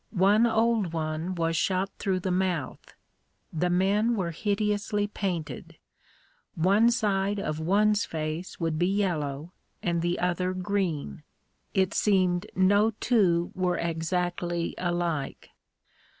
One old one was shot through the mouth. The men were hideously painted. One side of one's face would be yellow and the other green. It seemed no two were exactly alike.